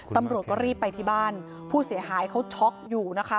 ตำรวจก็รีบไปที่บ้านผู้เสียหายเขาช็อกอยู่นะคะ